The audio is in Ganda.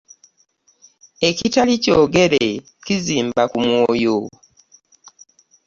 Ekitali kyogere kizmba ku mwoyo .